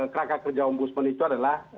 kerangka kerja om budsman itu adalah